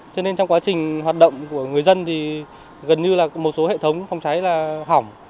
cho nên trong quá trình hoạt động của người dân thì gần như là một số hệ thống phòng cháy là hỏng